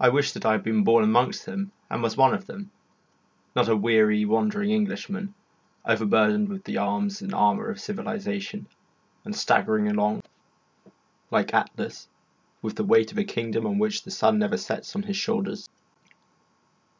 I wished that I had been born amongst them and was one of them, not a weary, wandering Englishman, overburdened with the arms and armour of civilisation, and staggering along, like Atlas, with the weight of a kingdom on which the sun never sets on his shoulders.